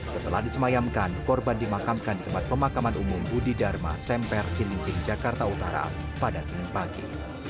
setelah disemayamkan korban dimakamkan di tempat pemakaman umum budi dharma semper cilincing jakarta utara pada senin pagi